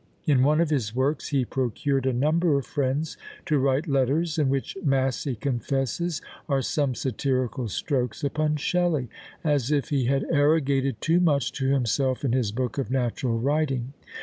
In one of his works he procured a number of friends to write letters, in which Massey confesses "are some satyrical strokes upon Shelley," as if he had arrogated too much to himself in his book of "Natural Writing."